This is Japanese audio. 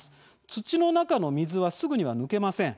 土の中の水はすぐには抜けません。